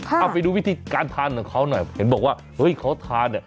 เอาไปดูวิธีการทานของเขาหน่อยเห็นบอกว่าเฮ้ยเขาทานเนี่ย